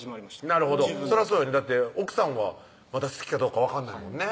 なるほどそらそうよねだって奥さんはまだ好きかどうか分かんないもんね